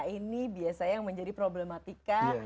iya ini biasa yang menjadi problematika